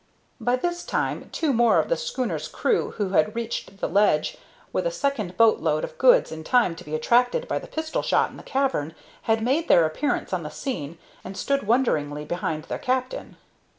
By this time two more of the schooner's crew, who had reached the ledge with a second boat load of goods in time to be attracted by the pistol shot in the cavern, had made their appearance on the scene, and stood wonderingly behind their captain.